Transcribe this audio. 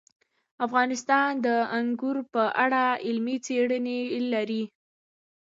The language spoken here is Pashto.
افغانستان د انګور په اړه علمي څېړنې لري.